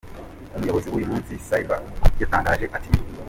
Umuyobozi wuyu mujyi Saber Al-Essawi yatangaje ati .